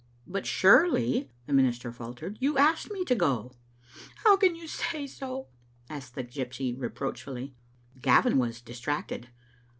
"But surely," the minister faltered, "you asked me to go." " How can you say so?" asked the gypsy, reproach fully. Gavin was distracted.